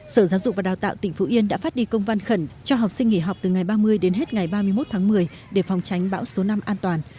sở giáo dục và đào tạo tỉnh phú yên đã phát đi công văn khẩn cho học sinh nghỉ học từ ngày ba mươi đến hết ngày ba mươi một tháng một mươi để phòng tránh bão số năm an toàn